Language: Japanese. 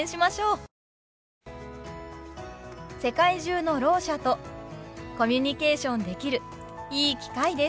世界中のろう者とコミュニケーションできるいい機会です。